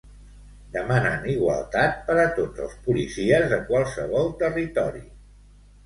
Demanen igualtat per a tots els policies de qualsevol territori.